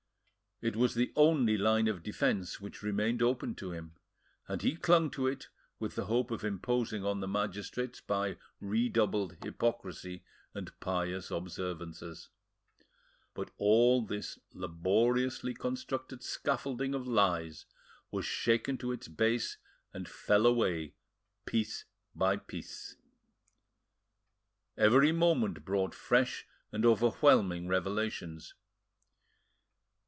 It was the only line of defence which remained open to him, and he clung to it, with the hope of imposing on the magistrates by redoubled hypocrisy and pious observances. But all this laboriously constructed scaffolding of lies was shaken to its base and fell away piece by piece. Every moment brought fresh and overwhelming revelations.